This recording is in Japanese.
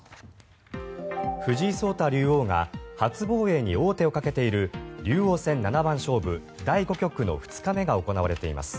藤井聡太竜王が初防衛に王手をかけている竜王戦七番勝負第５局の２日目が行われています。